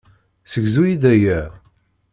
Segzu-yi-d aya.